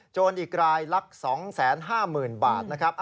โจรอีกรายลัก๒๕๐๐๐๐บาทนะครับ